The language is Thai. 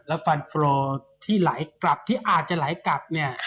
แล้วฟันโฟลอที่ไหลกลับที่อาจจะไหลกลับเนี่ย